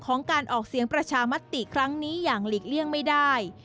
การออกเสียงประชามติครั้งนี้อย่างหลีกเลี่ยงไม่ได้